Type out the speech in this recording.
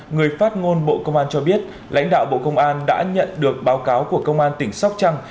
người phát ngôn bộ công an cho biết lãnh đạo bộ công an đã nhận được báo cáo của công an tỉnh sóc trăng